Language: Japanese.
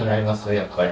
やっぱり。